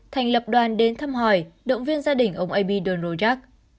thành lập đoàn đến thăm hỏi động viên gia đình ông ab donald rojak